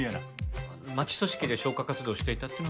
町組織で消火活動をしていたっていうのはなんとなく。